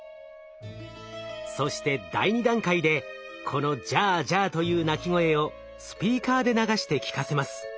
そして第２段階でこの「ジャージャー」という鳴き声をスピーカーで流して聞かせます。